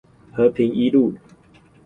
和平一路